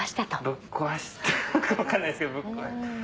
ぶっ壊したか分かんないですけど。